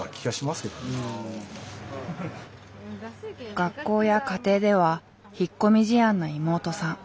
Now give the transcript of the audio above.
学校や家庭では引っ込み思案な妹さん。